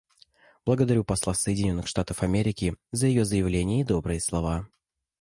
Благодарю посла Соединенных Штатов Америки за ее заявление и добрые слова.